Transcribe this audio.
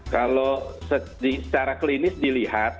kalau secara klinis dilihat